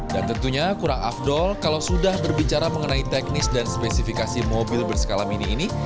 dan tentunya kurang afdol kalau sudah berbicara mengenai teknis dan spesifikasi mobil berskala mini ini